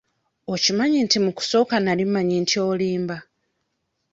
Okimanyi nti mu kusooka nali mmanyi nti olimba?